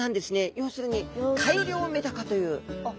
要するに「改良メダカ」という。